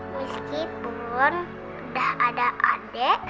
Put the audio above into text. meskipun udah ada adik